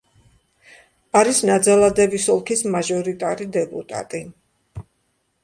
არის ნაძალადევის ოლქის მაჟორიტარი დეპუტატი.